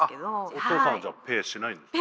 お父さんはじゃあペーしないんですね。